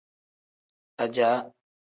Ajaa.